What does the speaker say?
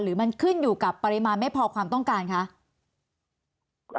หรือมันขึ้นอยู่กับปริมาณไม่พอความต้องการคะ